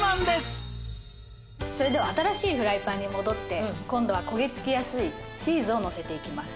それでは新しいフライパンに戻って今度はこげつきやすいチーズをのせていきます。